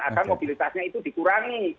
agar mobilitasnya itu dikurangi